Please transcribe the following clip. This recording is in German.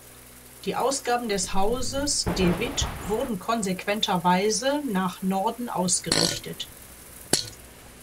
Die Ausgaben des Hauses de Wit wurden konsequenterweise nach Norden ausgerichtet.